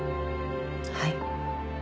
はい。